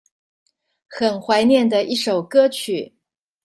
很懷念的一首歌曲